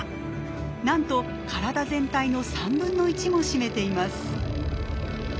なんと体全体の３分の１も占めています。